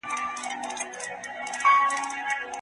انځورګر ډېرې سکې وګټلې